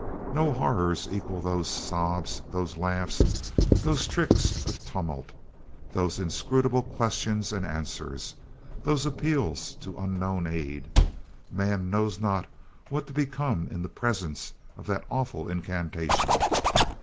No horrors equal those sobs, those laughs, those tricks of tumult, those inscrutable questions and answers, those appeals to unknown aid. Man knows not what to become in the presence of that awful incantation.